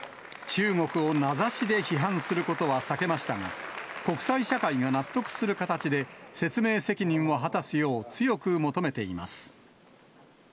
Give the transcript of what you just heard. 中国を名指しで批判することは避けましたが、国際社会が納得する形で、説明責任を果たすよう強く求めています。